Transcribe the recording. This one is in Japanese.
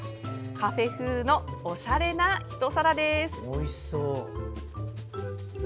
カフェ風のおしゃれなひと皿です。